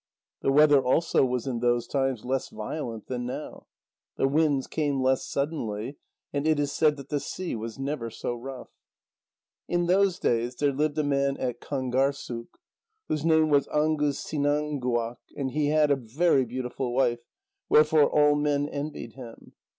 The weather also was in those times less violent than now; the winds came less suddenly, and it is said that the sea was never so rough. In those times, there lived a man at Kangârssuk whose name was Angusinãnguaq, and he had a very beautiful wife, wherefore all men envied him.